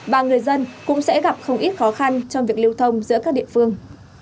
và người dân cũng sẽ gặp không ít khó khăn trong việc lưu thông giữa các địa phương